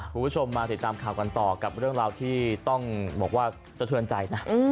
คุณผู้ชมมาติดตามข่าวกันต่อกับเรื่องราวที่ต้องบอกว่าสะเทือนใจนะ